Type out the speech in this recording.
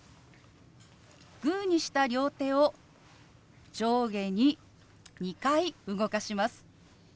グーにした両手を上下に２回動かします。